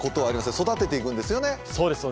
育てていくんですよね。